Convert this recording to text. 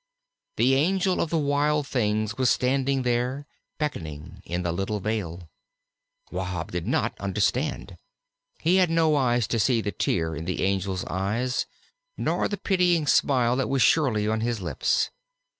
The Angel of the Wild Things was standing there, beckoning, in the little vale. Wahb did not understand. He had no eyes to see the tear in the Angel's eyes, nor the pitying smile that was surely on his lips.